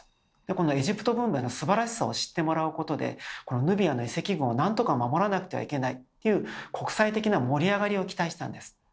エジプト文明のすばらしさを知ってもらうことでヌビアの遺跡群をなんとか守らなくてはいけないという国際的な盛り上がりを期待したんです。